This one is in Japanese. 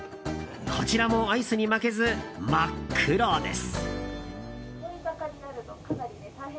こちらもアイスに負けず真っ黒です。